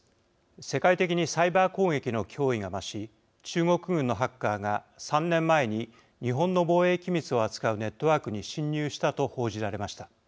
世界的にサイバー攻撃の脅威が増し中国軍のハッカーが３年前に日本の防衛機密を扱うネットワークに侵入したと報じられました。